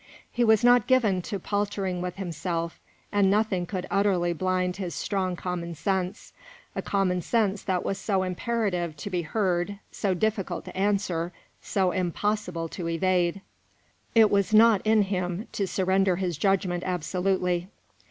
He was not given to paltering with himself, and nothing could utterly blind his strong common sense a common sense that was so imperative to be heard, so difficult to answer, so impossible to evade. It was not in him to surrender his judgment absolutely.